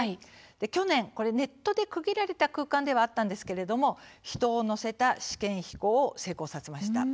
去年、ネットで区切られた空間ではあるんですけれども人を乗せた試験飛行を成功させました。